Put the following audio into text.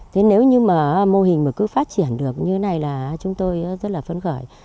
thế nếu như mà mô hình mà cứ phát triển được như thế này là chúng tôi rất là phấn khởi